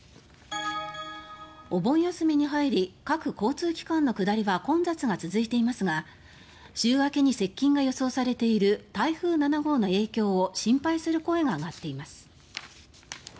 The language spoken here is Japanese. お盆休みに入り各交通機関の下りは混雑が続いていますが週明けに接近が予想されている台風７号の影響を心配する声が上がっています。